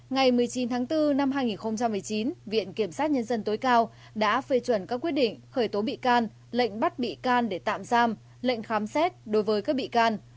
ngày một mươi chín tháng bốn năm hai nghìn một mươi chín viện kiểm sát nhân dân tối cao đã phê chuẩn các quyết định khởi tố bị can lệnh bắt bị can để tạm giam lệnh khám xét đối với các bị can